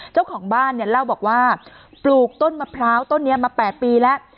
เจ้าของบ้านเนี่ยเล่าบอกว่าปลูกต้นมะพร้าวต้นนี้มา๘ปีแล้ว